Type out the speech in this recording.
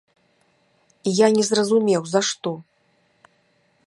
Я не зразумеў, за што?